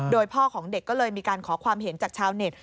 โดยพ่อของเด็กก็เลยมีการขอความเห็นจากชาวเน็ต